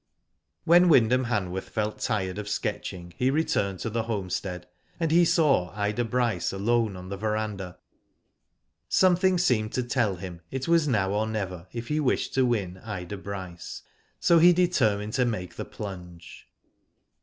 When Wyndham Hanworth felt tired of sketching he returned to the homestead, and he saw Ida Bryce alone on the verandah. Something seemed to tell him it was now or never if he wished to win Ida Bryce, so he deter mined to make the plunge.